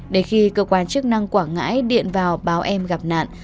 để khi cơ quan chức năng quảng ngãi điện vào báo em gặp nạn